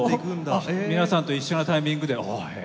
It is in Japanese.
皆さんと一緒のタイミングで「へえ」。